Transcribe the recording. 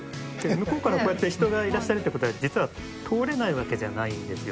「向こうからこうやって人がいらっしゃるって事は実は通れないわけじゃないんですよ」